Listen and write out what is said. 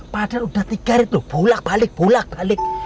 padahal udah tiga rit lo bolak balik